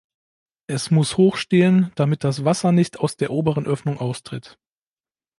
Es muss hoch stehen, damit das Wasser nicht aus der oberen Öffnung austritt.